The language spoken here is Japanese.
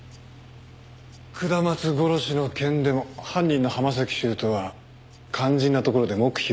下松殺しの件でも犯人の浜崎修斗は肝心なところで黙秘を決め込んでるしな。